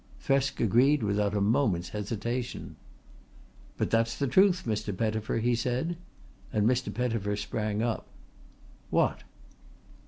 Thresk agreed without a moment's hesitation. "But that's the truth, Mr. Pettifer," he said, and Mr. Pettifer sprang up. "What?"